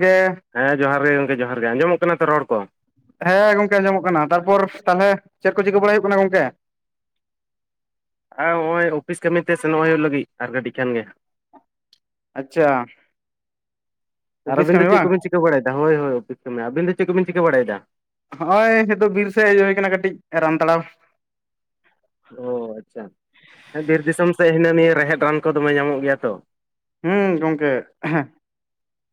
ᱜᱮᱻ ᱦᱮᱸ ᱡᱚᱦᱟᱨ ᱜᱮ ᱜᱚᱝᱠᱮ ᱡᱚᱦᱟᱨ ᱜᱮ ᱟᱸᱡᱚᱢᱚᱜ ᱠᱟᱱᱟ ᱛᱚ ᱨᱚᱲ ᱠᱚ ᱾ ᱦᱮᱸ ᱜᱚᱝᱠᱮ ᱟᱸᱡᱚᱢᱚᱜ ᱠᱟᱱᱟ, ᱛᱟᱨᱯᱚᱨ ᱛᱟᱦᱞᱮ ᱪᱮᱫ ᱠᱚ ᱪᱤᱠᱟᱹ ᱵᱟᱲᱟ ᱦᱩᱭᱩᱜ ᱠᱟᱱᱟ ᱜᱚᱝᱠᱮ? ᱟᱸ ᱦᱚᱸᱜᱼᱚᱭ ᱚᱯᱷᱤᱥ ᱠᱟᱹᱢᱤᱛᱮ ᱥᱮᱱᱚᱜ ᱦᱩᱭᱩᱜ ᱞᱟᱹᱜᱤᱫ ᱟᱨ ᱠᱟᱹᱴᱤᱡ ᱠᱷᱟᱱ ᱜᱮ ᱾ ᱟᱪᱪᱷᱟ ᱾ ᱟᱨ ᱟᱵᱤᱱ ᱫᱚ ᱪᱮᱫ ᱠᱚᱵᱤᱱ ᱪᱤᱠᱟᱹ ᱵᱟᱲᱟᱭᱮᱫᱟ? ᱦᱚᱭ ᱦᱚᱭ ᱚᱯᱷᱤᱥ ᱠᱟᱹᱢᱤ, ᱟᱵᱤᱱ ᱫᱚ ᱪᱮᱫ ᱠᱚᱵᱤᱱ ᱪᱤᱠᱟᱹᱵᱟᱲᱟᱭᱮᱫᱟ? ᱦᱚᱜ-ᱚᱭ ᱦᱤᱛᱚ ᱵᱤᱨ ᱥᱮᱫ ᱦᱮᱡ ᱦᱩᱭ ᱟᱠᱟᱱᱟ ᱠᱟᱹᱴᱤᱡ ᱨᱟᱱ ᱛᱟᱲᱟᱣ ᱾ ᱚ ᱟᱪᱪᱷᱟ, ᱵᱤᱨ ᱫᱤᱥᱚᱢ ᱥᱮᱫ ᱦᱤᱱᱟᱹ ᱱᱤᱭᱟᱹ ᱨᱮᱦᱮᱫ ᱨᱟᱱ ᱠᱚ ᱫᱚᱢᱮ ᱧᱟᱢᱚᱜ ᱜᱮᱭᱟ ᱛᱚ ᱾ ᱦᱮᱸ ᱜᱚᱝᱠᱮ [unintelligible]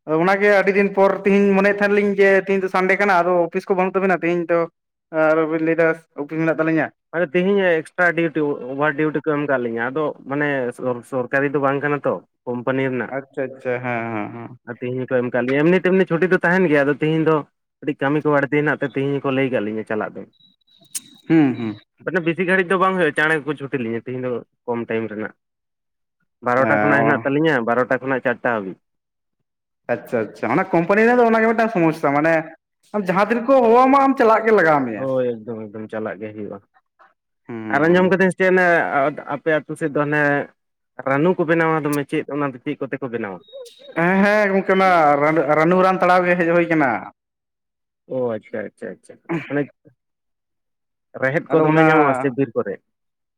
ᱦᱚᱭ ᱚᱱᱟᱜᱮ ᱟᱹᱰᱤ ᱫᱤᱱ ᱯᱚᱨ ᱛᱤᱧ ᱢᱚᱱᱮᱭᱮᱫ ᱛᱟᱦᱮᱱ ᱞᱤᱧ ᱜᱮ ᱛᱤᱦᱤᱧ ᱫᱚ ᱥᱟᱱᱰᱮ ᱠᱟᱱᱟ ᱟᱫᱚ ᱚᱯᱷᱤᱥ ᱠᱚ ᱵᱟᱹᱱᱩᱜ ᱛᱟᱹᱵᱤᱱᱟ ᱛᱤᱦᱤᱧ ᱫᱚ ᱟᱨᱚ ᱵᱤᱱ ᱞᱟᱹᱭ ᱮᱫᱟ ᱚᱯᱤᱥ ᱢᱮᱱᱟᱜ ᱛᱟᱹᱞᱤᱧᱟ ᱾ ᱢᱟᱱᱮ ᱛᱤᱦᱤᱧ ᱮᱠᱥᱴᱨᱟ ᱰᱤᱣᱴᱤ ᱚ ᱚᱵᱷᱟᱨ ᱰᱤᱣᱴᱤ ᱠᱚ ᱮᱢ ᱠᱟᱫ ᱞᱤᱧᱟ ᱟᱫᱚ ᱢᱟᱱᱮ ᱫᱚ ᱥᱚᱨᱠᱟᱨᱤ ᱫᱚ ᱵᱟᱝ ᱠᱟᱱᱟ ᱛᱚ ᱾ ᱟᱪᱪᱷᱟ ᱟᱪᱪᱷᱟ ᱦᱮᱸ ᱦᱚᱸ ᱦᱚᱸᱻ ᱾ ᱟᱨ ᱛᱤᱦᱤᱧ ᱦᱚᱸ ᱠᱚ ᱮᱢ ᱟᱠᱟᱫ ᱞᱤᱧᱟ, ᱮᱢᱱᱤ ᱛᱮᱢᱱᱤ ᱪᱷᱩᱴᱤ ᱫᱚ ᱛᱟᱦᱮᱱ ᱜᱮᱭᱟ ᱟᱫᱚ ᱛᱤᱦᱤᱧ ᱫᱚ ᱠᱟᱹᱴᱤᱡ ᱠᱟᱹᱢᱤ ᱠᱚ ᱵᱟᱹᱲᱛᱤ ᱦᱮᱱᱟᱜ ᱛᱮ ᱛᱤᱦᱤᱧ ᱦᱚᱸᱠᱚ ᱞᱟᱹᱭ ᱟᱠᱟᱫ ᱞᱤᱧᱟᱹ ᱪᱟᱞᱟᱜ ᱫᱚ ᱾ [inaudible] ᱦᱩᱸ ᱦᱩᱸ ᱾ ᱩᱱᱟᱹᱜ ᱵᱤᱥᱤ ᱜᱷᱟᱹᱲᱤᱡ ᱫᱚ ᱵᱟᱝ ᱦᱩᱭᱩᱜᱼᱟ ᱪᱟᱬᱮ ᱜᱮᱠᱚ ᱪᱷᱩᱴᱤ ᱞᱤᱧᱟ ᱛᱤᱦᱤᱧ ᱫᱚ ᱠᱚᱢ ᱴᱟᱭᱤᱢ ᱨᱮᱱᱟᱜ ᱾ ᱵᱟᱨᱚᱴᱟ ᱠᱷᱚᱱᱟᱜ ᱦᱮᱱᱟᱜ ᱦᱮᱸ ᱛᱟᱹᱞᱤᱧᱟ ᱵᱟᱨᱚᱴᱟ ᱠᱷᱚᱱᱟᱜ ᱪᱟᱨᱴᱟ ᱦᱟᱹᱵᱤᱡ ᱾ ᱟᱪᱪᱷᱟ ᱟᱪᱪᱷᱟ ᱚᱱᱟ ᱠᱚᱢᱯᱟᱹᱱᱤ ᱨᱮᱱᱟᱜ ᱫᱚ ᱚᱱᱟᱜᱮ ᱢᱤᱫᱴᱟᱜ ᱥᱚᱢᱚᱥᱥᱟ ᱢᱟᱱᱮ ᱟᱢ ᱡᱟᱦᱟᱸ ᱛᱤᱱ ᱨᱮᱠᱚ ᱦᱚᱦᱚᱣᱟᱢᱟ ᱟᱢ ᱪᱟᱞᱟᱜ ᱜᱮ ᱞᱟᱜᱟᱣ ᱢᱮᱭᱟ ᱦᱚᱭ ᱮᱠᱫᱚᱢ ᱮᱠᱫᱚᱢ ᱪᱟᱞᱟᱜ ᱜᱮ ᱦᱩᱭᱩᱜᱼᱟ ᱾ ᱟᱨ ᱦᱩᱸ ᱟᱸᱡᱚᱢ ᱠᱟᱹᱫᱟᱹᱧ ᱥᱮ ᱪᱮᱫ ᱚᱱᱮ ᱮᱻ ᱟᱯᱮ ᱟᱹᱛᱩ ᱥᱮᱫ ᱫᱚ ᱚᱱᱮ ᱨᱟᱹᱱᱩ ᱠᱚ ᱵᱮᱱᱟᱣᱟ ᱫᱚᱢᱮ ᱪᱮᱫ ᱚᱱᱟ ᱫᱚ ᱪᱮᱫ ᱠᱚᱛᱮ ᱠᱚ ᱵᱮᱱᱟᱣᱟ? [inaudible] ᱦᱮᱸ ᱦᱮᱸ ᱜᱚᱝᱠᱮ ᱚᱱᱟ ᱨᱟᱹᱱ ᱨᱟᱹᱱᱩ ᱨᱟᱱ ᱛᱟᱲᱟᱣ ᱜᱮ ᱦᱮᱡ ᱦᱩᱭ ᱠᱟᱱᱟ ᱾ ᱚ ᱟᱪᱪᱷᱟ ᱟᱪᱪᱷᱟ ᱟᱪᱪᱷᱟ [unintelligible] ᱨᱮᱦᱮᱫ ᱠᱚ ᱟᱫᱚ ᱫᱚᱢᱮ ᱚᱱᱟ ᱧᱟᱢᱚᱜᱼᱟ ᱥᱮ ᱵᱤᱨ ᱠᱚᱨᱮ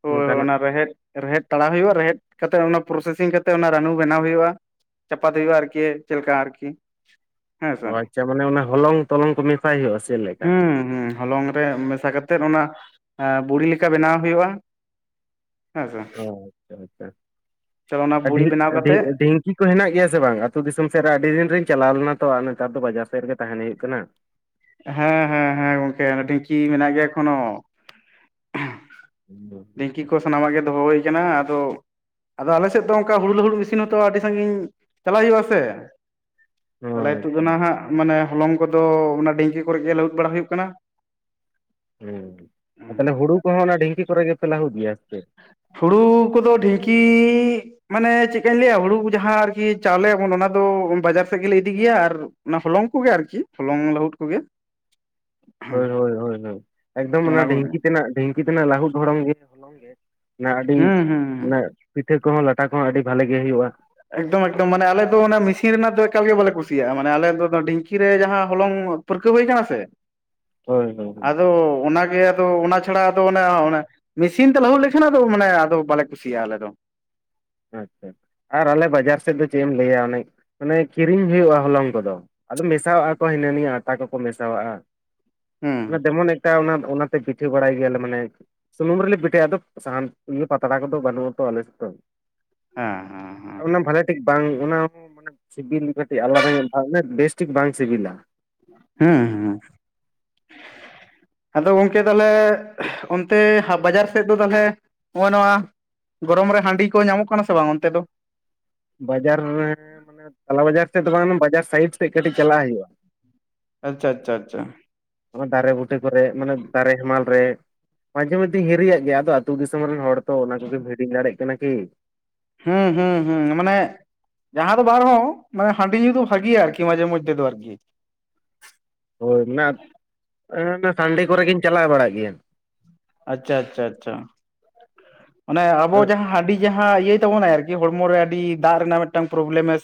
ᱦᱚᱭ ᱚᱱᱠᱟᱱᱟᱜ ᱚᱱᱟ ᱨᱮᱦᱮᱫ ᱨᱮᱦᱮᱫ ᱛᱟᱲᱟᱣ ᱦᱩᱭᱩᱜᱼᱟ ᱨᱮᱦᱮᱫ ᱠᱟᱛᱮ ᱚᱱᱟ ᱯᱨᱚᱥᱮᱥᱤᱝ ᱠᱟᱛᱮ ᱚᱱᱟ ᱨᱟᱹᱱᱩ ᱵᱮᱱᱟᱣ ᱦᱩᱭᱩᱜᱼᱟ ᱾ ᱪᱟᱯᱟᱥ ᱦᱩᱭᱩᱜᱼᱟ ᱟᱨᱠᱤ ᱪᱮᱜ ᱞᱮᱠᱟ ᱟᱨᱠᱤ ᱦᱮᱸ ᱥᱮ ᱚ ᱟᱪᱪᱷᱟ ᱢᱟᱱᱮ ᱚᱱᱟ ᱦᱚᱞᱚᱝ ᱛᱚᱞᱚᱝ ᱠᱚ ᱢᱮᱥᱟᱭ ᱦᱩᱭᱩᱜᱼᱟ ᱥᱮ ᱪᱮᱫ ᱞᱮᱠᱟ? ᱦᱩᱸ ᱦᱩᱸ ᱾ ᱦᱚᱞᱚᱝ ᱨᱮ ᱢᱮᱥᱟ ᱠᱟᱛᱮᱫ ᱚᱱᱟ ᱵᱩᱲᱤ ᱞᱮᱠᱟ ᱵᱮᱱᱟᱣ ᱦᱩᱭᱩᱜᱼᱟ ᱾ ᱚ ᱟᱪᱪᱷᱟ ᱟᱪᱪᱷᱟ ᱪᱚᱞᱚ ᱚᱱᱟ ᱵᱩᱲᱤ ᱟᱹᱰᱤᱡ ᱵᱮᱱᱟᱣ ᱟᱹᱰᱤᱡ ᱠᱟᱛᱮᱜ ᱰᱷᱤᱝᱠᱤ ᱛᱚ ᱦᱮᱱᱟᱜ ᱜᱮᱭᱟ ᱥᱮ ᱵᱟᱝ? ᱟᱹᱛᱩ ᱫᱤᱥᱚᱢ ᱥᱮᱫ ᱨᱮ ᱟᱹᱰᱤ ᱫᱤᱱ ᱨᱤᱧ ᱪᱟᱞᱟᱣ ᱞᱮᱱᱟ ᱛᱚ ᱟᱨ ᱱᱮᱛᱟᱨ ᱫᱚ ᱵᱟᱡᱟᱨ ᱥᱮᱫ ᱨᱮᱜᱮ ᱛᱟᱦᱮᱱ ᱦᱩᱭᱩᱜ ᱠᱟᱱᱟ ᱾ ᱦᱮᱸ ᱦᱮᱸ ᱦᱮᱸ ᱜᱚᱝᱠᱮ ᱚᱱᱮ ᱰᱤᱝᱠᱤ ᱢᱮᱱᱟᱜ ᱜᱮᱭᱟ ᱮᱠᱷᱳᱱᱚ ᱾ ᱰᱷᱤᱝᱠᱤ ᱠᱚ ᱥᱟᱱᱟᱢᱟᱜ ᱜᱮ ᱫᱚᱦᱚ ᱦᱩᱭ ᱠᱟᱱᱟ ᱟᱫᱚ-ᱼ ᱟᱫᱚ ᱟᱞᱮ ᱥᱮᱫ ᱫᱚ ᱚᱱᱠᱟ ᱦᱩᱲᱩ ᱞᱟᱹᱦᱩᱫ ᱢᱤᱥᱤᱱ ᱦᱚᱛᱚ ᱟᱹᱰᱤ ᱥᱟᱺᱜᱤᱧ ᱪᱟᱞᱟᱣ ᱦᱩᱭᱩᱜᱼᱟ ᱥᱮ ᱾ ᱚ ᱛᱟᱞᱟᱭ ᱟᱹᱛᱩ ᱫᱚ ᱟᱪᱪᱷᱟ ᱱᱟᱦᱟᱜ ᱢᱟᱱᱮ ᱦᱚᱞᱚᱝ ᱠᱚᱫᱚ ᱚᱱᱟ ᱰᱷᱤᱝᱠᱤ ᱠᱚᱨᱮ ᱜᱮ ᱞᱟᱹᱦᱩᱫ ᱵᱟᱲᱟ ᱦᱩᱭᱩᱜ ᱠᱟᱱᱟ ᱾ ᱦᱩᱸ ᱛᱟᱦᱞᱮ ᱦᱩᱲᱩ ᱠᱚᱦᱚᱸ ᱚᱱᱟ ᱰᱷᱤᱝᱠᱤ ᱠᱚᱨᱮ ᱜᱮᱯᱮ ᱞᱟᱹᱦᱩᱫ ᱜᱮᱭᱟ ᱥᱮ ᱪᱮᱫ? ᱦᱩᱲᱩᱻ ᱠᱚᱫᱚ ᱰᱷᱤᱝᱠᱤᱻ ᱢᱟᱱᱮ ᱪᱮᱫ ᱞᱮᱠᱟᱹᱧ ᱞᱟᱹᱭᱟ ᱦᱩᱲᱩ ᱡᱟᱦᱟᱸ ᱟᱨᱠᱤ ᱪᱟᱣᱞᱮᱭᱟᱵᱚᱱ ᱚᱱᱟ ᱫᱚ ᱵᱟᱡᱟᱨ ᱥᱮᱫ ᱜᱮᱞᱮ ᱤᱫᱤ ᱜᱮᱭᱟ ᱟᱨ ᱚᱱᱟ ᱦᱚᱞᱚᱝ ᱠᱚᱜᱮ ᱟᱨᱠᱤ ᱦᱚᱞᱚᱝ ᱞᱟᱹᱦᱩᱫ ᱠᱚᱜᱮ ᱦᱚᱭ ᱦᱚᱭ ᱦᱚᱭ ᱦᱚᱭ ᱮᱠᱫᱚᱢ ᱚᱱᱟ ᱰᱷᱤᱝᱠᱤ ᱛᱮᱱᱟᱜ ᱰᱷᱤᱝᱠᱤ ᱛᱮᱱᱟᱜ ᱞᱟᱹᱦᱩᱫ ᱦᱚᱲᱚᱝ ᱜᱮ ᱦᱚᱞᱚᱝ ᱜᱮ ᱚᱱᱟ ᱟᱹᱰᱤᱡ ᱦᱩᱸ ᱦᱩᱸ ᱚᱱᱟ ᱯᱤᱴᱷᱟᱹ ᱠᱚᱦᱚᱸ ᱞᱟᱴᱟ ᱠᱚᱦᱚᱸ ᱟᱹᱰᱤ ᱵᱷᱟᱞᱮ ᱜᱮ ᱦᱩᱭᱩᱜᱼᱟ ᱮᱠᱫᱚᱢ ᱮᱠᱫᱚᱢ ᱢᱟᱱᱮ ᱟᱞᱮ ᱫᱚ ᱚᱱᱟ ᱢᱤᱥᱤᱱ ᱨᱮᱱᱟᱜ ᱫᱚ ᱮᱠᱟᱞ ᱜᱮ ᱵᱟᱞᱮ ᱠᱩᱥᱤᱭᱟᱜᱼᱟ ᱢᱟᱱᱮ ᱟᱞᱮ ᱫᱚ ᱰᱷᱤᱝᱠᱤ ᱨᱮ ᱡᱟᱦᱟᱸ ᱦᱚᱞᱚᱝ ᱯᱟᱹᱨᱠᱟᱹᱣ ᱦᱩᱭ ᱠᱟᱱᱟ ᱥᱮ ᱦᱚᱭ ᱦᱚᱭ ᱚᱻ ᱚᱱᱟᱜᱮ ᱟᱫᱚ ᱚᱱᱟ ᱪᱷᱟᱲᱟ ᱟᱫᱚ ᱚᱱᱮ ᱚᱲᱮᱸ ᱢᱮᱥᱤᱱ ᱛᱮ ᱞᱟᱹᱦᱩᱫ ᱞᱮᱠᱷᱟᱱ ᱟᱫᱚ ᱢᱟᱱᱮ ᱟᱫᱚ ᱵᱟᱞᱮ ᱠᱩᱥᱤᱭᱟᱜᱼᱟ ᱟᱞᱮ ᱫᱚ ᱟᱪᱪᱷᱟ ᱟᱨ ᱟᱞᱮ ᱵᱟᱡᱟᱨ ᱥᱮᱫ ᱫᱚ ᱪᱮᱫ ᱮᱢ ᱞᱟᱹᱭᱟ ᱚᱱᱮ ᱚᱱᱮ ᱠᱤᱨᱤᱧ ᱦᱩᱭᱩᱜᱼᱟ ᱦᱚᱞᱚᱝ ᱠᱚᱫᱚ, ᱟᱫᱚ ᱢᱮᱥᱟᱣᱟᱜᱼᱟ ᱠᱚ ᱦᱤᱱᱟᱹ ᱱᱤᱭᱟᱹ ᱟᱴᱟ ᱠᱚᱠᱚ ᱢᱮᱥᱟᱣᱟᱜᱼᱟ ᱦᱩᱸ ᱫᱮᱢᱚᱱ ᱮᱴᱟ ᱚᱱᱟᱛᱮ ᱯᱤᱴᱷᱟᱹ ᱵᱟᱲᱟᱭ ᱜᱮᱭᱟᱞᱮ ᱢᱟᱱᱮ ᱥᱩᱱᱩᱢ ᱨᱮᱞᱮ ᱯᱤᱴᱷᱟᱹᱭᱟ ᱟᱫᱚᱵ ᱥᱟᱦᱟᱱ ᱤᱭᱟᱹ ᱯᱟᱛᱲᱟ ᱠᱚᱫᱚ ᱵᱟᱹᱱᱩᱜ ᱟᱛᱚ ᱟᱞᱮᱥᱮᱫ ᱫᱚ ᱦᱮᱸ- ᱦᱮᱸ ᱦᱮᱸ ᱚᱱᱟ ᱵᱷᱟᱞᱮ ᱴᱷᱤᱠ ᱵᱟᱝ ᱚᱱᱟ ᱦᱚᱸ ᱢᱟᱱᱮ ᱥᱤᱵᱤᱞ ᱠᱟᱹᱴᱤᱡ ᱟᱞᱟᱫᱟ ᱧᱚᱜ ᱵᱮᱥᱴᱷᱤᱠ ᱵᱟᱝ ᱥᱤᱵᱤᱞᱟ ᱦᱩᱸ- ᱦᱩᱸ ᱟᱫᱚ ᱜᱚᱝᱠᱮ ᱛᱟᱦᱞᱮᱻ ᱚᱱᱛᱮ ᱵᱟᱡᱟᱨ ᱥᱮᱫ ᱫᱚ ᱛᱟᱦᱞᱮ ᱱᱚᱜᱼᱚᱭ ᱱᱚᱣᱟ ᱜᱚᱨᱚᱢ ᱨᱮ ᱦᱟᱺᱰᱤ ᱠᱚ ᱧᱟᱢᱚᱜ ᱠᱟᱱᱟ ᱥᱮ ᱵᱟᱝ ᱚᱱᱛᱮ ᱫᱚ ᱵᱟᱡᱟᱨ ᱨᱮ ᱢᱟᱱᱮ ᱛᱟᱞᱟ ᱵᱟᱡᱟᱨ ᱥᱮᱫ ᱫᱚ ᱵᱟᱝ ᱵᱟᱡᱟᱨ ᱥᱟᱭᱤᱰ ᱥᱮᱫ ᱠᱟᱹᱴᱤᱡ ᱪᱟᱞᱟᱜ ᱦᱩᱭᱩᱜᱼᱟ ᱟᱪᱪᱷᱟ - ᱟᱪᱷᱟ - ᱟᱪᱪᱷᱟ ᱫᱟᱨᱮ ᱵᱩᱴᱟᱹ ᱠᱚᱨᱮᱜ ᱢᱟᱱᱮ ᱫᱟᱨᱮ ᱦᱮᱢᱟᱞ ᱨᱮ ᱢᱟᱡᱷᱮ ᱢᱟᱫᱽᱫᱮ ᱦᱤᱨᱤᱭᱟᱜ ᱜᱮᱭᱟ ᱟᱫᱚ ᱟᱹᱛᱩ ᱫᱤᱥᱚᱢ ᱨᱮᱱ ᱦᱚᱲ ᱛᱚ ᱚᱱᱟ ᱠᱚᱢ ᱦᱤᱲᱤᱧ ᱫᱟᱲᱮᱭᱟᱜ ᱠᱟᱱᱟ ᱠᱤ ᱦᱩᱸ- ᱦᱩᱸ - ᱦᱩᱸ ᱢᱟᱱᱮᱜ ᱡᱟᱦᱟᱸ ᱫᱚ ᱵᱟᱨᱦᱚᱸ ᱢᱟᱱᱮ ᱦᱟᱸᱰᱤ ᱧᱩ ᱫᱚ ᱵᱷᱟᱜᱤᱭᱟ ᱟᱨᱠᱤ ᱢᱟᱡᱷᱮ ᱢᱚᱡᱽᱫᱷᱮ ᱫᱚ ᱟᱨᱠᱤ ᱦᱳᱭ ᱚᱱᱟᱛᱮ ᱟ ᱥᱟᱱᱰᱮ ᱠᱚᱨᱮ ᱜᱤᱧ ᱪᱟᱞᱟᱣ ᱵᱟᱲᱟᱜ ᱜᱮᱭᱟ ᱟᱪᱪᱷᱟ ‌ᱟᱪᱪᱷᱟ ᱟᱪᱪᱷᱟ, ᱚᱱᱮ ᱟᱵᱚ ᱡᱟᱦᱟᱸ ᱦᱟᱸᱰᱤᱜ ᱤᱦᱟᱸ ᱤᱭᱟᱹᱭ ᱛᱟᱵᱚᱱᱟᱭ ᱟᱨᱠᱤ ᱦᱚᱲᱢᱚ ᱨᱮ ᱟᱹᱰᱤᱻ ᱫᱟᱜ ᱨᱮᱱᱟᱜ ᱢᱤᱫᱴᱟᱝ ᱯᱨᱚᱵᱞᱮᱢ ᱮ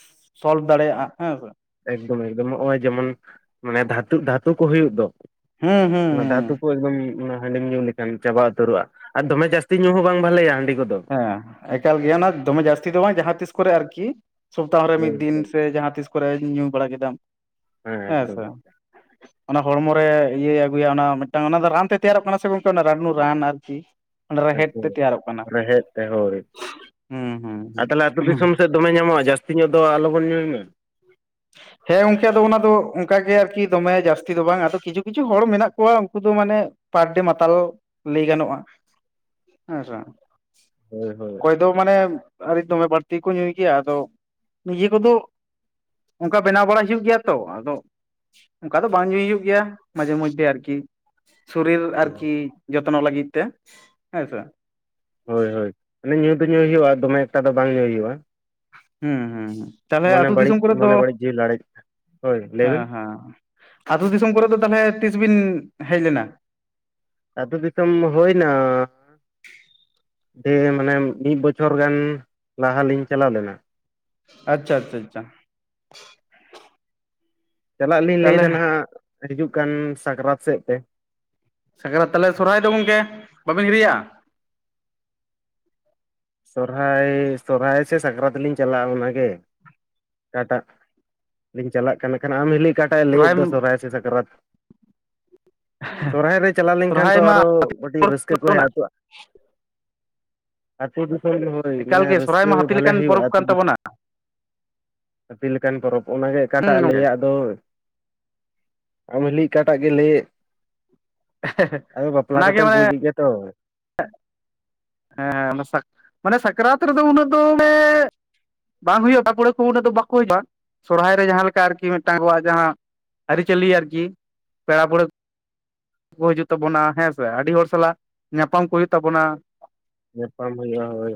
ᱥᱚᱞᱵᱷ ᱫᱟᱲᱮᱭᱟᱜᱼᱟ ᱦᱮᱸᱥᱮ ᱮᱠᱫᱚᱢ - ᱮᱠᱫᱚᱢ ᱱᱚᱜ ᱚᱚᱭ ᱡᱮᱢᱚᱱ ᱢᱟᱱᱮ ᱫᱷᱟᱹᱛᱩ - ᱫᱷᱟᱹᱛᱩ ᱠᱚ ᱦᱩᱭᱩᱜ ᱫᱚ ᱦᱩᱸ ᱦᱩᱸ ᱚᱱᱟ ᱦᱩᱸ ᱫᱷᱟᱛᱩ ᱠᱚᱭ ᱩᱸ ᱚᱱᱟ ᱦᱟᱺᱰᱤᱢ ᱧᱩ ᱞᱮᱠᱷᱟᱱ ᱪᱟᱵᱟ ᱩᱛᱟᱹᱨᱚᱜᱼᱟ ᱟᱨ ᱫᱚᱢᱮ ᱡᱟᱹᱥᱛᱤ ᱧᱩ ᱦᱚᱸ ᱵᱟᱝ ᱵᱷᱟᱞᱮᱭᱟ ᱦᱟᱺᱰᱤ ᱠᱚᱫᱚ ᱦᱮᱸ ᱮᱠᱟᱞ ᱜᱮᱭ ᱚᱱᱟ ᱫᱚᱢᱮ ᱡᱟᱹᱥᱛᱤ ᱫᱚ ᱵᱟᱝ ᱡᱟᱦᱟᱸ ᱛᱤᱥ ᱠᱚᱨᱮ ᱟᱨᱠᱤ ᱥᱚᱯᱛᱟᱦᱚ ᱨᱮ ᱢᱤᱫ ᱦᱳᱭ ᱫᱤᱱ ᱦᱳᱭ ᱥᱮ ᱡᱟᱦᱟᱸ ᱛᱤᱥ ᱠᱚᱨᱮᱧ ᱧᱩ ᱵᱟᱲᱟ ᱠᱮᱫᱟᱢ, ᱦᱮᱸ ᱥᱮ ᱚᱱᱟ ᱦᱚᱲᱢᱚ ᱨᱮ ᱤᱭᱟᱹᱭ ᱟᱹᱜᱩᱭᱟ ᱚᱱᱟ ᱢᱤᱫᱴᱟᱝ ᱚᱱᱟ ᱫᱚ ᱨᱟᱱ ᱛᱮ ᱛᱮᱭᱟᱨᱚᱜ ᱠᱟᱱᱟ ᱥᱮ ᱜᱚᱝᱠᱮ ᱚᱱᱟ ᱨᱟᱱᱩ ᱨᱟᱱ ᱟᱨᱠᱤ ᱚᱸ ᱨᱮᱦᱮᱫ ᱛᱮ ᱛᱮᱭᱟᱨᱚᱜ ᱠᱟᱱᱟ ᱮ ᱦᱳᱭ, ᱦᱩᱸ ᱦᱩᱸ ᱟᱨ ᱛᱟᱦᱞᱮ ᱟᱹᱛᱩ ᱦᱩᱸ ᱫᱤᱥᱚᱢ ᱥᱮᱫ ᱫᱚᱢᱮ ᱧᱟᱢᱚᱜᱼᱟ ᱡᱟᱹᱥᱛᱤ ᱧᱚᱜ ᱫᱚ ᱟᱞᱚᱵᱚᱱ ᱧᱩᱭ ᱢᱟ ᱦᱮᱸ ᱜᱚᱝᱠᱮ ᱟᱫᱚ ᱚᱱᱟ ᱫᱚ ᱚᱱᱠᱟ ᱜᱮ ᱟᱨᱠᱤ ᱫᱚᱢᱮ ᱡᱟᱹᱥᱛᱤ ᱫᱚ ᱵᱟᱝ ᱟᱫᱚ ᱠᱤᱪᱷᱩ - ᱠᱤᱪᱷᱩ ᱦᱚᱲ ᱢᱮᱱᱟᱜ ᱠᱚᱣᱟ ᱩᱱᱠᱩ ᱫᱚ ᱢᱟᱱᱮᱜ ᱯᱟᱨᱰᱮ ᱢᱟᱛᱟᱞ ᱞᱟᱹᱭ ᱜᱟᱱᱚᱜᱼᱟ, ᱦᱮᱸᱥᱮ ᱦᱳᱭ - ᱦᱳᱭ ᱫᱚ ᱢᱟᱱᱮᱜ ᱟᱰᱤ ᱫᱚᱢᱮ ᱵᱟᱹᱲᱛᱤ ᱠᱚ ᱧᱩᱭ ᱜᱮᱭᱟ ᱟᱫᱚ ᱱᱤᱡᱮ ᱠᱚᱫᱚ ᱚᱱᱠᱟ ᱵᱮᱱᱟᱣ ᱵᱟᱲᱟ ᱦᱩᱭᱩᱜ ᱜᱮᱭᱟ ᱛᱚ ᱟᱫᱚ ᱚᱱᱠᱟ ᱫᱚ ᱵᱟᱝ ᱧᱩᱭ ᱦᱩᱭᱩᱜ ᱜᱮᱭᱟ ᱢᱟᱡᱷᱮ - ᱢᱚᱡᱫᱽᱫᱷᱮ ᱟᱨᱠᱤ ᱥᱩᱨᱤᱨ ᱟᱨᱠᱤ ᱡᱚᱛᱱᱚ ᱞᱟᱹᱜᱤᱫ ᱛᱮ ᱦᱮᱸᱥᱮ ᱦᱳᱭ - ᱦᱳᱭ ᱢᱟᱱᱮ ᱧᱩ ᱫᱚ ᱧᱩ ᱦᱩᱭᱩᱜᱼᱟ ᱫᱚᱢᱮ ᱮᱠᱴᱟ ᱫᱚ ᱵᱟᱝ ᱧᱩᱭ ᱦᱩᱭᱩᱜᱼᱟ ᱦᱩᱸ- ᱦᱩᱸ- ᱦᱩᱸ ᱛᱟᱦᱞᱮ ᱢᱚᱱᱮ ᱟᱹᱛᱩ ᱵᱟᱹᱲᱤᱡ ᱫᱤᱥᱚᱢ ᱠᱚᱨᱮᱜ ᱫᱚ, ᱢᱚᱱᱮ ᱵᱟᱹᱲᱤᱡ ᱡᱤᱣᱤ ᱞᱟᱲᱮᱡ ᱦᱳᱭ ᱞᱟᱹᱭ ᱵᱮᱱ ᱦᱚᱸ- ᱦᱚᱸ ᱟᱹᱛᱩ ᱫᱤᱥᱚᱢ ᱠᱚᱨᱮ ᱫᱚ ᱛᱟᱞᱦᱮ ᱛᱤᱥ ᱵᱤᱱ ᱦᱮᱡ ᱞᱮᱱᱟ ᱟᱛᱩ ᱫᱤᱥᱚᱢ ᱫᱚ ᱦᱩᱭᱱᱟ ᱰᱷᱮ ᱢᱟᱱᱮ ᱢᱤᱫ ᱵᱚᱪᱷᱚᱨ ᱜᱟᱱ ᱞᱟᱦᱟ ᱞᱤᱧ ᱪᱟᱞᱟᱣ ᱞᱮᱱᱟ ᱟᱪᱪᱷᱟ - ᱟᱪᱪᱷᱟ - ᱟᱪᱪᱷᱟ ᱪᱟᱞᱟᱜ ᱞᱤᱧ ᱛᱟᱦᱚᱞᱮ ᱞᱟᱹᱭᱫᱟ ᱱᱷᱟᱜ ᱦᱤᱡᱩᱜ ᱠᱟᱱ ᱥᱟᱜᱨᱟᱛ ᱥᱮᱫ ᱛᱮ ᱥᱟᱠᱨᱟᱛ ᱛᱟᱦᱞᱮ ᱥᱚᱨᱦᱟᱭ ᱫᱚ ᱜᱚᱝᱠᱮ ᱵᱟᱹᱵᱤᱱ ᱦᱤᱨᱤᱭᱟ ᱥᱚᱨᱦᱟᱭᱻ ᱥᱚᱨᱦᱟᱭ ᱥᱮ ᱥᱟᱠᱨᱟᱛ ᱞᱤᱧ ᱪᱟᱞᱟᱜᱼᱟ ᱚᱱᱟᱜᱮ᱾ ᱚᱠᱟᱴᱟᱜ, ᱞᱤᱧ ᱪᱟᱞᱟᱜ ᱠᱟᱱᱟ ᱠᱷᱟᱱ ᱟᱢ ᱦᱤᱞᱤ ᱚᱠᱟᱴᱟᱜ ᱮ ᱞᱟᱹᱭᱮᱫ ᱫᱚ ᱥᱚᱨᱦᱟᱭ ᱥᱮ ᱥᱟᱠᱨᱟᱛ᱾ ᱥᱚᱨᱦᱟᱭ ᱨᱮ ᱪᱟᱞᱟᱣ ᱞᱮᱱᱠᱷᱟᱱ ᱥᱚᱨᱦᱟᱭ ᱛᱚ ᱢᱟ ᱟᱨᱚ ᱟᱹᱰᱤᱜ ᱨᱟᱹᱥᱠᱟᱹ ᱠᱚ ᱦᱮᱡ ᱟᱫ ᱛᱚ ᱫᱤᱥᱚᱢ ᱨᱮ ᱦᱳᱭ ᱢᱟᱱᱮ ᱮᱠᱟᱞ ᱜᱮ ᱥᱚᱨᱦᱟᱭ ᱨᱟᱹᱥᱠᱟᱹ ᱢᱟ ᱦᱟᱹᱛᱤ ᱵᱷᱟᱞᱮ ᱞᱮᱠᱟᱱ ᱦᱩᱭᱩᱜᱼᱟ ᱯᱚᱨᱚᱵᱽ ᱟᱹᱛᱩ ᱠᱟᱱ ᱛᱟᱵᱚᱱᱟ ᱦᱟᱹᱛᱤ ᱞᱮᱠᱟᱱ ᱯᱚᱨᱚᱵᱽ ᱚᱱᱟᱜᱮ ᱚᱠᱟᱴᱟᱜ ᱦᱩᱸ ᱮ ᱜᱚᱝᱠᱮ ᱞᱮᱭᱟᱜ ᱫᱚ ᱟᱢ ᱦᱤᱞᱤ ᱚᱠᱟᱴᱟᱜ ᱜᱮ ᱞᱟᱹᱭᱮᱫ, ᱟᱫᱚ ᱵᱟᱯᱞᱟ ᱠᱟᱛᱮᱢ ᱵᱩᱡᱽ ᱮᱫ ᱜᱮᱭᱟ ᱛᱚ᱾ ᱦᱮᱸ [unintelligible] ᱦᱮᱸ ᱦᱮᱸ ᱢᱟᱱᱮ ᱥᱟᱠᱨᱟᱛ ᱨᱮᱫᱚ ᱩᱱᱟᱹᱜ ᱫᱚᱻ ᱵᱟᱝ ᱦᱩᱭᱩᱜ-ᱟ ᱛᱟᱯᱩᱲᱟᱹ ᱠᱚ ᱩᱱᱟᱹᱜ ᱫᱚ ᱵᱟᱠᱚ ᱦᱤᱡᱩᱜ-ᱟ ᱥᱚᱨᱦᱟᱭ ᱨᱮ ᱡᱟᱦᱟᱸ ᱞᱮᱠᱟ ᱟᱨ ᱠᱤ ᱢᱤᱫᱴᱟᱝ ᱡᱟᱦᱟᱸᱼᱼ ᱟᱹᱨᱤᱪᱟᱹᱞᱤ ᱟᱨᱠᱤ ᱯᱮᱲᱟ ᱯᱟᱹᱲᱦᱟᱹ- ᱠᱚ ᱦᱤᱡᱩᱜ ᱛᱟᱵᱚᱱᱟ ᱦᱮᱸ ᱥᱮ ᱟᱹᱰᱤ ᱦᱚᱲ ᱥᱟᱞᱟᱜ ᱧᱟᱯᱟᱢ ᱠᱚ ᱦᱩᱭᱩᱜ ᱛᱟᱵᱚᱱᱟ᱾ ᱧᱟᱯᱟᱢ ᱦᱩᱭᱩᱜᱟ ᱦᱳᱭ᱾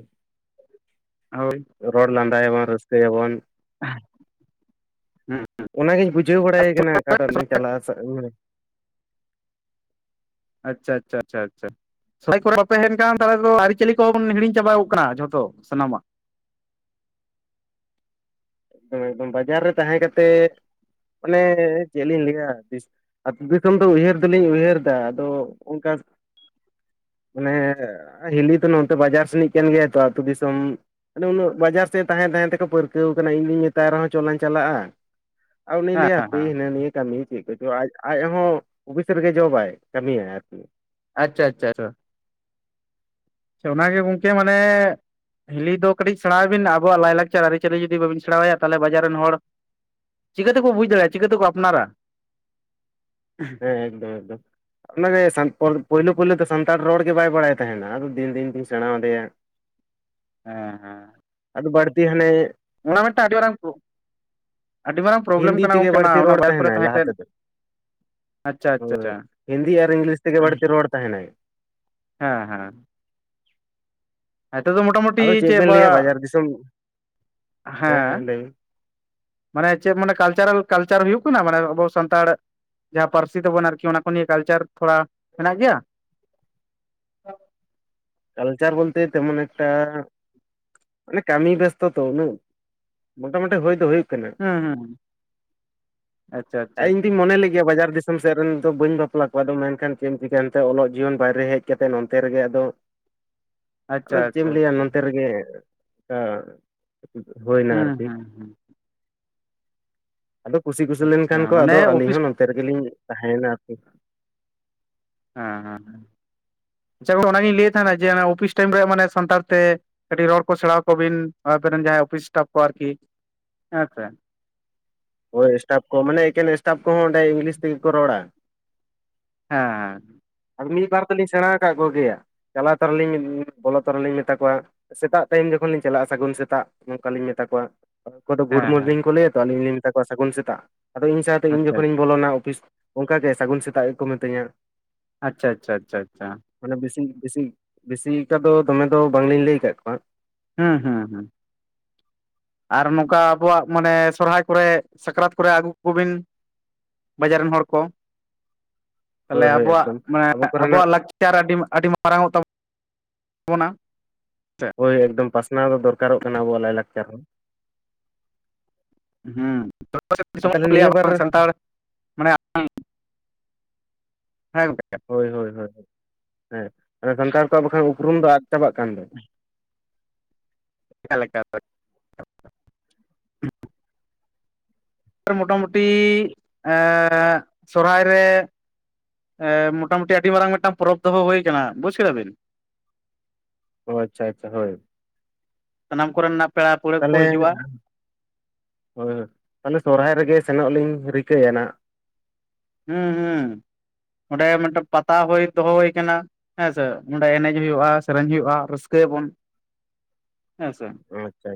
ᱦᱳᱭ ᱨᱚᱲ ᱞᱟᱸᱫᱟᱭᱟᱵᱚᱱ ᱨᱟᱹᱥᱠᱟᱹᱭᱟᱵᱚᱱ᱾ [unintelligible] ᱦᱩᱸ ᱚᱱᱟᱜᱤᱧ ᱵᱩᱡᱷᱟᱹᱣ ᱵᱟᱲᱟᱭᱮ ᱠᱟᱱᱟ ᱚᱠᱟᱴᱟᱜ [unintelligible] ᱪᱟᱞᱟᱜᱼᱟ ᱟᱪᱪᱷᱟ ᱟᱪᱷᱟ ᱟᱪᱪᱷᱟ ᱟᱪᱪᱷᱟ᱾ [unintelligible] ᱟᱨᱤᱪᱷᱟᱞᱤ ᱦᱤᱲᱤᱧ ᱪᱟᱵᱟᱣ ᱠᱟᱜ-ᱟ ᱡᱷᱚᱛᱚ ᱥᱟᱱᱟᱢᱟᱜ᱾ [unintelligible] ᱵᱟᱡᱟᱨ ᱨᱮ ᱛᱟᱦᱮᱸ ᱠᱟᱛᱮ ᱢᱟᱱᱮ ᱪᱮᱫ ᱞᱤᱧ ᱞᱟᱹᱭᱟ ᱛᱤᱥ ᱟᱹᱛᱩ ᱫᱤᱥᱚᱢ ᱫᱚ ᱩᱭᱦᱟᱹᱨ ᱫᱚᱞᱤᱧ ᱩᱭᱦᱟᱹᱨ ᱫᱟ ᱟᱫᱚ ᱚᱱᱠᱟ ᱢᱟᱱᱮ ᱦᱤᱞᱤ ᱛᱚ ᱱᱚᱛᱮ ᱵᱟᱡᱟᱨ ᱥᱮᱱᱤᱡ ᱠᱟᱱ ᱜᱮᱭᱟᱭ ᱛᱚ ᱟᱹᱛᱩ ᱫᱤᱥᱚᱢ ᱟᱫᱚ ᱩᱱᱟᱹᱜ ᱵᱟᱡᱟᱨ ᱥᱮᱡ ᱛᱟᱦᱮᱸ ᱛᱟᱦᱮᱸ ᱛᱮᱠᱚ ᱯᱟᱹᱨᱠᱟᱹᱣ ᱟᱠᱟᱱᱟ ᱤᱧ [unintelligible] ᱨᱮᱦᱚᱸ ᱪᱚᱞᱟᱧ ᱪᱟᱞᱟᱜᱼᱟ ᱟᱨ ᱩᱱᱤ ᱦᱮᱸ ᱞᱟᱹᱭᱟ ᱦᱟᱯᱮ ᱦᱮᱸ ᱦᱤᱱᱟᱹ ᱱᱤᱭᱟᱹ ᱠᱟᱹᱢᱤ ᱪᱮᱫ ᱠᱚᱪᱚ ᱟᱡ ᱟᱡ ᱦᱚᱸ ᱚᱯᱷᱤᱥ ᱨᱮᱜᱮ ᱡᱚᱵᱟᱭ ᱠᱟᱹᱢᱤᱭᱟᱭ ᱟᱨᱠᱤ᱾ ᱟᱪᱪᱷᱟ ᱟᱪᱪᱷᱟ ᱟᱪᱪᱷᱟ᱾ ᱟᱪᱷᱟ ᱚᱱᱟᱜᱮ ᱜᱚᱝᱠᱮ ᱢᱟᱱᱮ ᱦᱤᱞᱤ ᱫᱚ ᱠᱟᱹᱴᱤᱡ ᱥᱮᱬᱟ ᱟᱭ ᱵᱤᱱ ᱟᱵᱚᱣᱟᱜ ᱞᱟᱭ ᱞᱟᱠᱪᱟᱨ ᱟᱹᱨᱤᱪᱟᱹᱞᱤ ᱡᱩᱫᱤ ᱵᱟᱹᱵᱤᱱ ᱥᱮᱬᱟᱣᱟᱭᱟ ᱛᱟᱦᱟᱞᱮ ᱵᱟᱡᱟᱨ ᱨᱮᱱ ᱦᱚᱲ ᱪᱤᱠᱟᱹ ᱛᱮᱠᱚ ᱵᱩᱡ ᱫᱟᱲᱮᱭᱟᱜᱼᱟ ᱪᱤᱠᱟᱹ ᱛᱮᱠᱚ ᱟᱯᱱᱟᱨᱟ [unintelligible] ᱮᱠᱫᱚᱢ ᱮᱠᱫᱚᱢ᱾ ᱚᱱᱟᱜᱮ [unintelligible] ᱯᱳᱭᱞᱳ ᱯᱳᱭᱞᱳ ᱫᱚ ᱥᱟᱱᱛᱟᱲ ᱨᱚᱲ ᱜᱮ ᱵᱟᱭ ᱵᱟᱲᱟᱭ ᱛᱟᱦᱮᱱᱟ ᱟᱫᱚ ᱫᱤᱱ ᱫᱤᱱ ᱛᱮᱧ ᱥᱮᱬᱟ ᱣᱟᱫᱮᱭᱟ᱾ ᱦᱮᱸ ᱦᱮᱸ ᱟᱫᱚ ᱵᱟᱲᱛᱤ ᱦᱟᱱᱮ ᱚᱱᱟ ᱢᱤᱫᱴᱟᱝ ᱟᱹᱰᱤ ᱢᱟᱨᱟᱝ [unintelligible] ᱟᱹᱰᱤ ᱢᱟᱨᱟᱝ ᱯᱨᱚᱵᱞᱮᱢ ᱦᱤᱱᱫᱤ ᱠᱟᱱᱟ ᱛᱮᱜᱮ ᱜᱚᱢᱠᱮ ᱚᱱᱟ ᱵᱟᱹᱲᱛᱤ ᱚᱱᱟ ᱨᱚᱲ [unintelligible] ᱠᱚᱨᱮ ᱛᱟᱦᱮᱱᱟᱭ ᱞᱟᱦᱟ ᱛᱟᱦᱮᱸᱛ ᱛᱮᱫᱚ [unintelligible] ᱦᱤᱱᱫᱤ ᱟᱨ ᱤᱝᱞᱤᱥ ᱛᱮᱜᱮ ᱵᱟᱹᱲᱛᱤ ᱨᱚᱲ ᱛᱟᱦᱮᱱᱟᱭ᱾ ᱦᱮᱸ ᱦᱮᱸ᱾ [unintelligible] ᱢᱚᱴᱟ ᱢᱩᱴᱤ‌ ᱟᱫᱚ ᱪᱮᱫ ᱪᱮ ᱵᱮᱱ ᱞᱟᱹᱭᱟ ᱵᱟᱜ ᱵᱟᱡᱟᱨ ᱫᱤᱥᱚᱢ ᱦᱮᱸ᱾ ᱢᱟᱱᱮ ᱪᱮᱫ ᱢᱟᱱᱮ ᱠᱟᱞᱪᱟᱨᱟᱞ ᱠᱟᱞᱪᱟᱨ ᱦᱩᱭᱩᱜ ᱠᱟᱱᱟ ᱢᱟᱱᱮ ᱟᱵᱚ ᱥᱟᱱᱛᱟᱲ ᱡᱟᱦᱟᱸ ᱯᱟᱹᱨᱥᱤ ᱛᱟᱵᱚᱱ ᱟᱨᱠᱤ ᱚᱱᱟ ᱠᱚ ᱱᱤᱭᱟᱹ ᱠᱟᱞᱪᱟᱨ ᱛᱷᱚᱲᱟ ᱦᱮᱱᱟᱜ ᱜᱮᱭᱟ᱾ ᱠᱟᱞᱪᱟᱨ ᱵᱚᱞᱛᱮ ᱛᱮᱢᱚᱱ ᱴᱟ ᱢᱟᱱᱮ ᱠᱟᱹᱢᱤ ᱵᱮᱥᱛᱚ ᱛᱚ ᱢᱳᱚᱴᱟᱢᱩᱴᱤ ᱦᱳᱭ ᱫᱚ ᱦᱩᱭ [inaudible] ᱦᱩᱸ ᱦᱩᱸ ᱟᱪᱪᱷᱟ ᱟᱪᱪᱷᱟ ᱤᱧ ᱫᱩᱧ ᱢᱚᱱᱮ ᱞᱮᱜᱮᱭᱟ ᱵᱟᱡᱟᱨ ᱫᱤᱥ [inaudible] [unintelligible] ᱥᱮᱫ ᱨᱮᱱ ᱫᱚ ᱵᱟᱹᱧ ᱵᱟᱯᱞᱟ ᱠᱚᱣᱟ ᱟᱫᱚ ᱢᱮᱱᱠᱷᱟᱱ ᱪᱮᱫ ᱮᱢ ᱪᱤᱠᱛᱮ ᱚᱞᱚᱜ ᱡᱤᱭᱚᱱ ᱵᱟᱭᱨᱮ ᱦᱮᱡ ᱠᱟᱛᱮ ᱱᱚᱱᱛᱮ ᱨᱮᱜᱮ ᱟᱫᱚ᱾ ᱟᱪᱪᱷᱟ ᱟᱫᱚ ᱪᱮᱫ ᱮᱢ ᱟᱪᱪᱷᱟ ᱞᱟᱹᱭᱟ ᱟᱪᱪᱷᱟ ᱱᱚᱱᱛᱮ ᱨᱮᱜᱮ [unintelligible] ᱦᱩᱭᱱᱟ ᱦᱩᱸ ᱟᱨᱠᱤ᱾ ᱦᱩᱸ ᱦᱩᱸ ᱟᱫᱚ ᱠᱩᱥᱤ ᱠᱩᱥᱤ ᱟᱪᱪᱷᱟ ᱞᱮᱱᱠᱷᱟᱱ ᱠᱚ ᱢᱟᱱᱮ ᱟᱫᱚ ᱟᱹᱞᱤᱧ ᱚᱯᱷᱤᱥ ᱦᱚᱸ ᱱᱚᱛᱮ ᱨᱮᱜᱮᱞᱤᱧ ᱛᱟᱦᱮᱭᱮᱱᱟ ᱟᱨᱠᱤ᱾ ᱦᱮᱸ ᱦᱮᱸ ᱦᱮᱸ ᱪᱮ ᱜᱚᱝᱠᱮ ᱚᱱᱟᱜᱤᱧ ᱞᱟᱹᱭᱮᱫ ᱛᱟᱦᱮᱱᱟ ᱡᱮ ᱚᱯᱷᱤᱥ ᱴᱟᱭᱤᱢ ᱨᱮ ᱢᱟᱱᱮ ᱥᱟᱱᱛᱟᱲ ᱛᱮ ᱠᱟᱹᱴᱤᱡ ᱨᱚᱲ ᱠᱚ ᱥᱮᱬᱟ ᱟᱠᱚᱵᱤᱱ ᱟᱯᱮᱨᱮᱱ ᱡᱟᱦᱟᱸᱭ ᱚᱯᱷᱤᱥ ᱥᱴᱟᱯᱷ ᱠᱚ ᱟᱨᱠᱤ ᱦᱮᱸ ᱥᱮ᱾ ᱦᱳᱭ ᱮᱥᱴᱟᱯ ᱠᱚ ᱢᱟᱱᱮ ᱮᱠᱮᱱ ᱮᱥᱴᱟᱯ ᱠᱚᱦᱚᱸ ᱚᱸᱰᱮ ᱤᱝᱞᱤᱥ ᱛᱮᱜᱮ ᱠᱚ ᱨᱚᱲᱟ᱾ ᱦᱮᱸ ᱦᱮᱸ᱾ ᱟᱨ ᱢᱤᱫ ᱵᱟᱨ ᱛᱮᱞᱤᱧ ᱥᱮᱬᱟ ᱟᱠᱟᱫ ᱠᱚᱜᱮᱭᱟ ᱪᱟᱞᱟᱣ ᱛᱚᱨᱟ ᱞᱤᱧ ᱵᱚᱞᱚ ᱛᱚᱨᱟ ᱞᱤᱧ ᱢᱮᱛᱟ ᱠᱚᱣᱟ ᱥᱮᱛᱟᱜ ᱴᱟᱭᱤᱢ ᱡᱚᱠᱷᱚᱱ ᱞᱤᱧ ᱪᱟᱞᱟᱜᱼᱟ ᱥᱟᱹᱜᱩᱱ ᱥᱮᱛᱟᱜ ᱱᱚᱝᱠᱟ ᱞᱤᱧ ᱢᱮᱛᱟ ᱠᱚᱣᱟ᱾ ᱚᱠᱚᱫᱚ ᱜᱩᱰ ᱦᱮᱸ ᱦᱮᱸ ᱢᱚᱨᱱᱤᱝ ᱠᱚ ᱞᱟᱹᱭᱟ ᱛᱚ ᱟᱞᱤᱧ ᱞᱤᱧ ᱢᱮᱛᱟ ᱠᱚᱣᱟ ᱥᱟᱹᱜᱩᱱ ᱥᱮᱛᱟᱜ ᱟᱫᱚ ᱤᱧ ᱥᱟᱶᱛᱮ ᱤᱧ ᱟᱪᱪᱷᱟ ᱡᱚᱠᱷᱚᱱᱤᱧ ᱵᱚᱞᱚᱱᱟ ᱚᱯᱷᱤᱥ᱾ ᱚᱱᱠᱟ ᱜᱮ ᱥᱟᱹᱜᱩᱱ ᱥᱮᱛᱟᱜ ᱜᱮ ᱠᱚ ᱢᱤᱛᱟᱹᱧᱟ ᱟᱪᱪᱷᱟ ᱟᱪᱷᱟ ᱟᱪᱪᱷᱟ ᱟᱪᱪᱷᱟ ᱢᱟᱱᱮ ᱵᱮᱥᱤ ᱵᱮᱥᱤ ᱵᱮᱥᱤᱠᱟ ᱫᱚ ᱫᱚᱢᱮ ᱫᱚ ᱵᱟᱝᱞᱤᱧ ᱞᱟᱹᱭ ᱟᱠᱟᱫ ᱠᱚᱣᱟ ᱦᱩᱸ ᱦᱩᱸ ᱦᱩᱸ ᱟᱨ ᱱᱚᱝᱠᱟ ᱟᱵᱚᱣᱟᱜ ᱢᱟᱱᱮ ᱥᱚᱨᱦᱟᱭ ᱠᱚᱨᱮ ᱥᱟᱠᱨᱟᱛ ᱠᱚᱨᱮ ᱟᱹᱜᱩᱠᱚᱵᱤᱱ ᱵᱟᱡᱟᱨ ᱨᱮᱱ ᱦᱚᱲ ᱠᱚ ᱛᱟᱦᱚᱞᱮ ᱦᱳᱭ ᱦᱳᱭ ᱟᱵᱚᱣᱟᱜ ᱮᱠᱫᱚᱢ ᱢᱟᱱᱮ ᱟᱵᱚ ᱟᱵᱚᱣᱟᱜ ᱠᱚᱨᱮᱱᱟᱜ ᱞᱟᱠᱪᱟᱨ ᱞᱟᱠᱟᱨ ᱟᱹᱰᱤ ᱟᱹᱰᱤ ᱢᱟᱨᱟᱝᱚᱜ ᱛᱟᱵᱚ ᱛᱵᱚᱱᱟ ᱳᱭ ᱮᱠᱫᱚᱢ ᱯᱟᱥᱱᱟᱣ ᱫᱚ ᱫᱚᱨᱠᱟᱨᱚᱜ ᱠᱟᱱᱟ ᱟᱵᱚᱣᱟᱜ ᱞᱟᱭᱞᱟᱠᱪᱟᱨ ᱦᱚᱸ ᱦ ᱟᱨ ᱛᱟᱦᱚᱞᱮ ᱞᱟᱹᱭᱟ ᱱᱤᱭᱟᱹ ᱵᱟᱝ ᱵᱟᱨ ᱥᱟᱱᱛᱟᱲ ᱢᱟᱱᱮ ᱦᱮᱸᱮ ᱦᱳᱭ ᱦᱳᱭ ᱦᱭ ᱦᱮᱸ ᱥᱟᱱᱛᱟᱲ ᱠᱚᱣᱟᱜ ᱵᱟᱠᱷᱟᱱ ᱩᱯᱨᱩᱢ ᱫᱚ ᱟᱫ ᱪᱟᱵᱟᱜ ᱠᱟᱱ ᱫᱚ ᱦ ᱠᱟᱞᱮᱴ ᱢᱚᱴ ᱢᱩᱩᱴᱤ ᱥᱚᱨᱦᱟᱭ ᱨᱮ ᱢᱚᱴᱟᱢᱩᱴᱤ ᱟᱹᱰᱤ ᱢᱟᱨᱟᱝ ᱢᱤᱫᱴᱟᱝ ᱯᱚᱨᱚᱵᱽ ᱫᱚᱦᱚ ᱦᱩᱭᱩ ᱟᱠᱟᱱᱟ ᱵᱩᱡ ᱠᱮᱫᱟ ᱵᱤᱱ ᱚ ᱟᱪᱪᱷᱟ ᱟᱪᱪᱷᱟ ᱦᱭ ᱥᱟᱱᱟᱢ ᱠᱚᱨᱮᱱᱟᱜ ᱯᱮᱲᱟ ᱯᱟᱹᱲᱦᱟᱹ ᱠᱚ ᱛᱟᱦᱚᱞᱮ ᱦᱤᱡᱩᱜᱼᱟ ᱦᱳᱭ ᱦᱳᱭ ᱛᱟᱦᱚᱞᱮ ᱥᱚᱨᱦᱟᱭ ᱨᱮᱜᱮ ᱥᱮᱱᱚᱜ ᱞᱤᱧ ᱨᱤᱠᱟᱹᱭᱟ ᱱᱟᱦᱱᱟᱜ ᱚᱸᱰᱮ ᱢᱤᱫᱴᱮᱱ ᱯᱟᱛᱟ ᱦᱩᱭ ᱫᱚᱦᱚ ᱟᱠᱟᱱᱟ ᱦᱮᱸᱥᱮ ᱚᱸᱰᱮ ᱮᱱᱮᱡ ᱦᱩᱭᱩᱜᱼᱟ ᱥᱮᱨᱮᱧ ᱦᱩᱭᱩᱜᱼᱟ ᱨᱟᱹᱥᱠᱟᱹᱭᱟᱵᱚᱱ ᱦᱮᱸ ᱥᱮᱮ ᱟᱪᱪᱷᱟ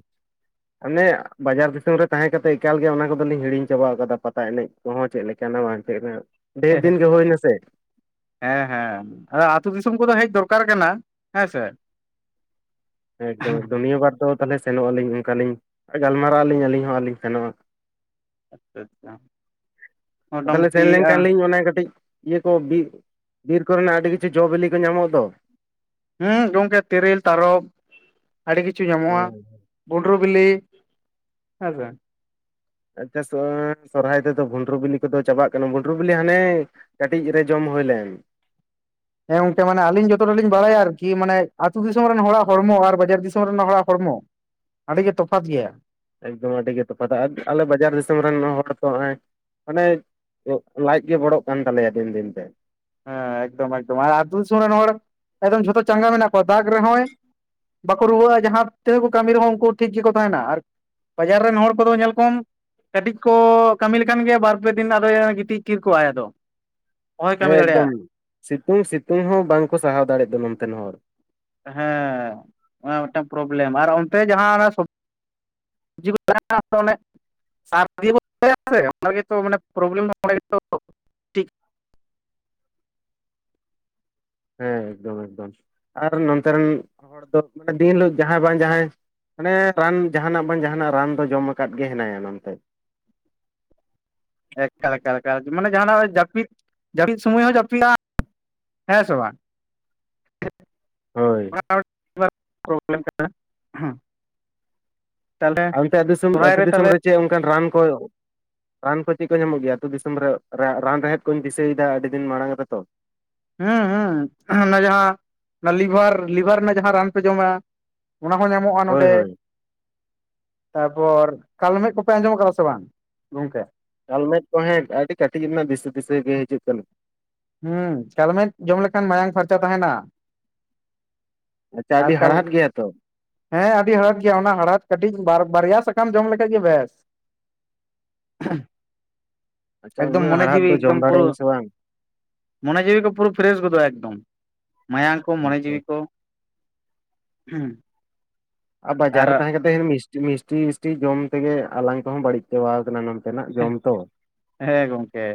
ᱚᱱᱮ ᱵᱟᱡᱟᱨ ᱫᱤᱥᱚᱢ ᱨᱮ ᱛᱟᱦᱮᱸ ᱠᱟᱛᱮ ᱮᱠᱟᱞ ᱜᱮ ᱚᱱᱟ ᱠᱚᱫᱚᱞᱤᱧ ᱦᱤᱲᱤᱧ ᱪᱟᱵ ᱟᱠᱟᱫᱟ ᱯᱟᱛᱟ ᱮᱱᱮᱡ ᱦ ᱦᱚᱸ ᱪᱮᱫ ᱞᱮᱠᱟᱟᱱᱟ ᱵᱟᱝ ᱛᱟᱦᱮᱸ ᱰᱷᱮᱨ ᱫᱤᱱ ᱜᱮ ᱦᱩᱭ ᱱᱟᱥᱮ ᱦᱮᱸ ᱦᱮᱸ ᱟᱫᱚ ᱟᱹᱛᱩᱳ ᱫᱤᱥᱚᱢ ᱠᱚᱫᱚ ᱦᱮᱡ ᱫᱚᱨᱠᱟᱨ ᱠᱟᱱᱟ ᱦᱮᱸ ᱥᱮ ᱮᱠᱫᱚᱢᱫᱩᱱᱤᱭᱟᱹ ᱵᱟᱨ ᱫᱚ ᱛᱟᱦᱚᱞᱮ ᱥᱮᱱᱚᱜ ᱟᱹᱞᱤᱧ ᱚᱱᱠᱟᱞᱤᱤᱧ ᱜᱟᱞᱢᱟᱨᱟᱜ ᱟᱹᱞᱤᱧ ᱟᱹᱞᱤᱧ ᱦᱚᱸ ᱟᱹᱞᱤᱤᱧ ᱥᱮᱱᱚᱜᱼᱟ ᱟᱪᱪᱷᱟ ᱟᱪᱪᱷᱟ ᱛᱟᱦᱚᱞᱮ ᱥᱮᱱ ᱞᱮᱱᱠᱷᱟᱱ ᱞᱤᱧ ᱚᱱᱟᱮ ᱠᱟᱹᱴᱤᱡ ᱤᱭᱟᱹ ᱠᱚ ᱵᱤᱨ ᱵᱤᱨ ᱠᱚᱨᱮᱱᱟᱜ ᱟᱹᱰᱤ ᱠᱤᱪᱷᱩ ᱡᱚ ᱵᱤᱞᱤ ᱠᱚ ᱧᱟᱢᱚᱜ ᱫᱚ ᱦᱮᱸ ᱜᱚᱢᱠᱮ ᱛᱤᱨᱞ ᱛᱟᱨᱚᱵ ᱟᱹᱰᱤ ᱠᱤᱪᱷᱩ ᱧᱟᱢᱚᱜᱼᱟ ᱦᱳᱭ ᱜᱩᱰᱨᱩ ᱵᱤᱞᱤ ᱟᱮᱸᱪᱷᱟ ᱟᱪᱪᱷᱟ ᱥᱚᱨᱦᱟᱭ ᱨᱮᱮᱫᱚ ᱵᱷᱩᱸᱰᱨᱩ ᱵᱤᱞᱤ ᱠᱚᱫᱚ ᱪᱟᱵᱟᱜ ᱠᱟᱱᱟ ᱵᱷᱩᱸᱰᱨᱩ ᱵᱤᱞᱤ ᱦᱟᱱᱮ ᱠᱟᱹᱴᱤᱡ ᱨᱮ ᱡᱚᱢ ᱦᱩᱭ ᱞᱮᱢ ᱦᱮᱸ ᱜᱚᱝᱠᱮ ᱢᱟᱱᱮ ᱟᱹᱞᱤᱧ ᱡᱚᱛᱚᱚᱴ ᱞᱤᱧ ᱵᱟᱲᱟᱭᱟ ᱟᱨᱠᱤ ᱢᱟᱱᱮ ᱟ ᱟᱹᱛᱩ ᱫᱤᱥᱚᱢ ᱨᱮᱱ ᱦᱚᱲᱟᱜ ᱦᱚᱲᱢᱚ ᱟᱨ ᱵᱟᱡᱟᱨ ᱫᱤᱥᱚᱢ ᱨᱮᱱ ᱦᱚᱲᱟᱜ ᱦᱚᱲᱢᱚ ᱟᱹᱰᱤ ᱜᱮ ᱛᱚᱯᱷᱟᱛ ᱜᱮᱭᱟ ᱮᱠᱫᱚᱢ ᱟᱹᱰᱤ ᱜᱮ ᱛᱚᱯᱷᱟᱛ ᱟᱞᱮ ᱵᱟᱡᱟᱨ ᱫᱤᱥᱚᱢ ᱨᱮᱱ ᱦᱚᱲ ᱛᱚ ᱱᱚᱜᱼᱚᱭ ᱢᱟᱱᱮ ᱞᱟᱡ ᱜᱮ ᱵᱚᱲᱚᱜ ᱠᱟᱱ ᱛᱟᱞᱮᱭᱟ ᱫᱤᱱ ᱫᱤᱱ ᱛᱮ ᱦᱮᱸ ᱮᱠᱫᱚᱢ ᱮᱠᱫᱚᱢ ᱟ ᱟᱹᱛᱩ ᱫᱤᱥᱚᱢ ᱨᱮᱱ ᱦᱚᱲ ᱮᱠᱫᱚᱢ ᱡᱷᱚᱛᱚ ᱪᱟᱸᱜᱟ ᱢᱮᱱᱟᱜ ᱠᱚᱣᱟ ᱫᱟᱜᱽ ᱨᱮᱦᱚᱸᱭ ᱵᱟᱠᱚ ᱨᱩᱣᱟᱹᱜᱼᱟ ᱡᱟᱦᱟᱸ ᱛᱮᱦᱚᱸ ᱠᱚ ᱠᱟᱹᱢᱤ ᱨᱮᱦᱚᱸ ᱩᱱᱠᱩ ᱴᱷᱤᱠ ᱜᱮᱠᱚ ᱛᱟᱦᱮᱱᱟ ᱟᱨ ᱵᱟᱡᱟᱨ ᱨᱮᱱ ᱦᱚᱲ ᱠᱚᱫᱚ ᱧᱮᱞ ᱠᱚᱢ ᱠᱟᱹᱴᱤᱡ ᱠᱚ ᱠᱟᱹᱢᱤ ᱞᱮᱠᱟᱱ ᱜᱮᱭᱟ ᱵᱟᱨ ᱯᱮ ᱫᱤᱱ ᱟᱫᱚ ᱜᱤᱛᱤᱡ ᱠᱤᱨ ᱠᱚᱣᱟᱭᱫᱚ ᱦᱮᱸ ᱮᱠᱫᱚᱢ ᱥᱤᱛᱩᱝ ᱥᱤᱛᱩᱝ ᱦᱚᱸ ᱵᱟᱝᱠᱚ ᱥᱟᱦᱟᱣ ᱫᱟᱲᱮᱭᱟᱜ ᱫᱚ ᱱᱚᱱᱛᱮᱱ ᱦᱚᱲ ᱦᱮᱸ ᱚᱱᱟ ᱢᱤᱫᱴᱟᱝ ᱯᱨᱚᱵᱞᱮᱢ ᱟᱨ ᱚᱱᱛᱮ ᱡᱟᱦᱟᱸ ᱡᱤᱵᱚᱱ ᱛᱟᱦᱮ ᱚᱱᱮ ᱵ ᱚ ᱜᱮᱚᱢ ᱦᱮᱸ ᱮᱠᱫᱚᱢ ᱮᱠᱫᱚᱢ ᱟᱨ ᱱᱛᱮ ᱨᱮᱱ ᱦᱚᱲ ᱫᱚ ᱢᱟᱱᱮ ᱫᱤᱱ ᱦᱤᱞᱳᱜ ᱡᱟᱦᱟᱸᱭ ᱵᱟᱝ ᱡᱟᱦᱟᱸᱭ ᱢᱟᱱᱮ ᱨᱟᱱ ᱡᱟᱦᱟᱱᱟᱜ ᱵᱟᱝ ᱡᱟᱦᱟᱱᱟᱜ ᱨᱟᱱ ᱫᱚ ᱡᱚᱢ ᱟᱠᱟᱫ ᱜᱮ ᱦᱮᱱᱟᱭᱟ ᱱᱛᱮ ᱮ ᱢᱟᱱᱮ ᱡᱟᱦᱱᱟᱜ ᱡᱟᱹᱯᱤᱫ ᱡᱟᱹᱯᱤᱫ ᱥᱚᱢᱚᱭ ᱦᱚᱸ ᱡᱟᱹᱯᱤᱫᱜᱼᱟ ᱦᱮᱸ ᱥᱚᱵ ᱮᱢ ᱦᱳᱭ ᱠᱟᱱᱟ ᱦᱮᱸ ᱚᱱᱛᱮ ᱫᱤᱥᱚᱢ ᱟᱹᱛᱩ ᱫᱤᱥᱚᱢ ᱨᱮ ᱪᱮᱫ ᱚᱱᱠᱟᱱ ᱨᱟᱱ ᱠᱚ ᱨᱟᱱ ᱠᱚ ᱪᱮᱫ ᱠᱚ ᱧᱟᱢᱚᱜ ᱜᱮᱭᱟ ᱟᱹᱛᱩ ᱫᱤᱥᱚᱢ ᱨᱮ ᱨᱟᱱ ᱨᱮᱦᱮᱫ ᱠᱚᱧ ᱫᱤᱥᱟᱹᱭᱮᱫᱟ ᱟᱹᱰᱤ ᱫᱤᱱ ᱢᱟᱲᱟᱝ ᱨᱮᱛᱚ ᱦᱚᱸ ᱦᱚᱸ ᱚᱱᱟ ᱡᱟᱦᱟᱸ ᱞᱤᱵᱷᱟᱨ ᱞᱤᱵᱷᱟᱨ ᱨᱮᱱᱟᱜ ᱡᱟᱦᱟᱸ ᱨᱟᱱ ᱯᱮ ᱡᱚᱢᱟ ᱚᱱᱟ ᱦᱚᱸ ᱧᱟᱢᱚᱜᱼᱟ ᱦᱳᱭ ᱱᱚᱰᱮ ᱦᱳᱭ ᱛᱟᱯᱚᱨ ᱠᱟᱞᱢᱮᱫᱽ ᱠᱚᱯᱮ ᱟᱸᱡᱚᱢ ᱟᱠᱟᱫᱟ ᱥᱮ ᱵᱟᱝ ᱜᱚᱝᱠᱮ ᱠᱟᱞᱢᱮᱫᱽ ᱠᱚ ᱦᱮᱸ ᱟᱹᱰᱤ ᱠᱟᱹᱴᱤᱡ ᱨᱮᱱᱟᱜ ᱫᱤᱥᱟᱹ ᱫᱤᱥᱟᱹ ᱜᱮ ᱦᱤᱡᱩᱜ ᱠᱟᱱᱟ ᱦᱮᱸ ᱠᱟᱞᱢᱮᱫᱽ ᱡᱚᱢ ᱞᱮᱠᱷᱟᱱ ᱢᱟᱭᱟᱝ ᱯᱷᱟᱨᱪᱟ ᱛᱟᱦᱮᱱᱟ ᱟᱪᱪᱷᱟ ᱟᱨ ᱟᱹᱰᱤ ᱠᱟᱞ ᱦᱟᱲᱦᱟᱫ ᱜᱮᱭᱟ ᱛᱚ ᱦᱮᱸ ᱟᱹᱰᱤ ᱦᱟᱲᱟᱛ ᱜᱮᱭᱟ ᱚᱱᱟ ᱦᱟᱲᱟᱛ ᱠᱟᱹᱴᱤᱡ ᱵᱟᱨᱭᱟ ᱥᱟᱠᱟᱢ ᱡᱚᱢ ᱞᱮᱠᱷᱟᱡ ᱜᱮ ᱵᱮᱥ [unintelligible] ᱟᱪᱪᱷᱟ ᱮᱠᱫᱚᱢ ᱩᱱᱟᱹᱜ ᱢᱚᱱᱮ ᱦᱟᱲᱦᱟᱫ ᱡᱤᱣᱤ ᱫᱚ ᱡᱚᱢ ᱮᱠᱫᱚᱢ ᱫᱟᱲᱮᱭᱟᱜ ᱯᱩᱨᱟᱹ ᱟᱹᱧ ᱥᱮ ᱵᱟᱝ ᱢᱚᱱᱮ ᱡᱤᱣᱤ ᱠᱚ ᱯᱩᱨᱟᱹ ᱯᱷᱨᱮᱥ ᱜᱚᱫᱚᱜᱼᱟ ᱮᱠᱫᱚᱢ ᱢᱟᱭᱟᱝ ᱠᱚ ᱢᱚᱱᱮ ᱟᱪᱪᱷᱟ ᱡᱤᱣᱤ ᱠᱚ ᱦᱩᱸ ᱟᱨ ᱵᱟᱡᱟᱨ ᱨᱮ ᱛᱟᱦᱮᱸ ᱠᱟᱛᱮ ᱢᱤᱥᱴ ᱢᱤᱥᱴᱤ ᱢᱤᱥᱴᱤ ᱡᱚᱢ ᱛᱮᱜᱮ ᱟᱞᱟᱝ ᱠᱚᱦᱚᱸ ᱵᱟᱹᱲᱤᱡ ᱪᱟᱵᱟ ᱟᱠᱟᱱᱟ ᱱᱚᱼᱼ ᱛᱮᱱᱟᱜ ᱦᱮᱸ ᱡᱚᱢ ᱛᱚ ᱦᱮᱸ ᱜᱚᱢᱠᱮ